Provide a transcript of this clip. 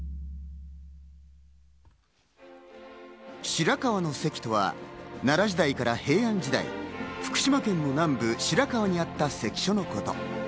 白河の関とは、奈良時代から平安時代、福島県の南部、白河に会った関所のこと。